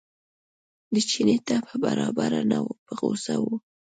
د چیني طبع برابره نه وه په غوسه و.